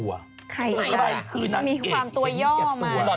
ใครละมีความตัวย่อมอ่ะแม่ค่ะอะไรคือนางเอกเห็นแก่ตัว